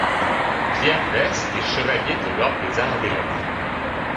Pierre Vaisse est chevalier de l'ordre des Arts et des Lettres.